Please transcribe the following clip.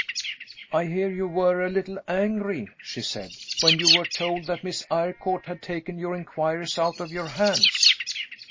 "I hear you were a little angry," she said, "when you were told that Miss Eyrecourt had taken your inquiries out of your hands."